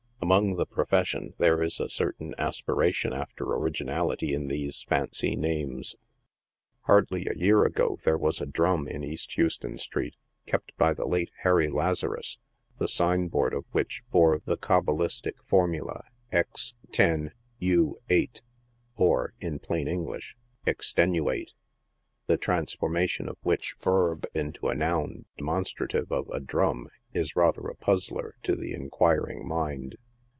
Among the " profession" there is a certain aspiration after originality in these fancy names. Ha lly THE PUGILISTS. 81 a year ago there was a '•'dram" in East Houston street, kept by the late Harry Lazarus, the sign board of which bore the cabalistic for mula, X 10 U 8— or, in plain English, <•' Extenuate;" the transfor mation of which verb into a noun demonstrative of a " drum" is rather a puzzler to the inquiring mind.